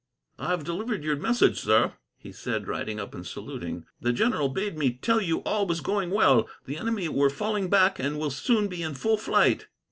"I have delivered your message, sir," he said, riding up and saluting. "The general bade me tell you all was going well. The enemy were falling back, and will soon be in full flight."